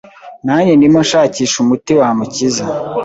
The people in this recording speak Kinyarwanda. nanjye ndimo nshakisha umuti wamukiza.